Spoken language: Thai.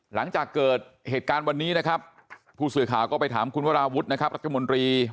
หลังจากเกิดเหตุการณ์วันนี้นะครับผู้สื่อข่าวไปถามคุณวาราวุฒิฐิศิลปะอาชารักษณะ